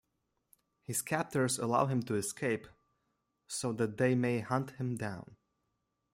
His captors allow him to escape so that they may hunt him down.